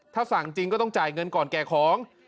ถ้าสั่งจริงก็ต้องจ่ายเงินก่อนแก่ของ